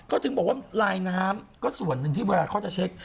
เพราะถึงลายน้ำส่วนที่เวลาเค้าจะเช็ค